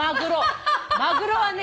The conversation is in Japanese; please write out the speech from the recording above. マグロはね